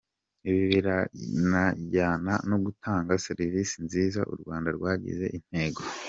Ibi biranajyana no gutanga serivisi nziza u Rwanda rwagize intego.